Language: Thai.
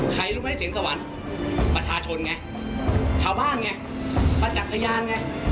รู้ไหมเสียงสวรรค์ประชาชนไงชาวบ้านไงประจักษ์พยานไง